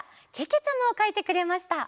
けけちゃまをかいてくれました。